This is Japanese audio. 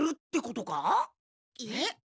えっ？